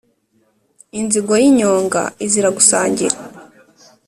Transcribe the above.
inzigo y’inyonga izira gusangira.